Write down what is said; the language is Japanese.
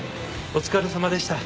お疲れさまでした。